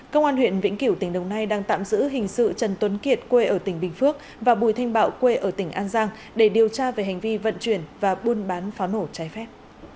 công an huyện vĩnh kiểu tỉnh đồng nai đang tạm giữ hình sự trần tuấn kiệt quê ở tỉnh bình phước và bùi thanh bạo quê ở tỉnh an giang để điều tra về hành vi vận chuyển và buôn bán pháo nổ trái phép